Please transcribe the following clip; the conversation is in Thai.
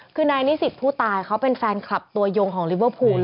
คือนายนิสิตผู้ตายเขาเป็นแฟนคลับตัวยงของลิเวอร์พูล